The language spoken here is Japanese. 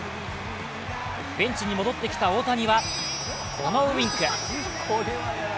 ベンチに戻ってきた大谷は、このウインク。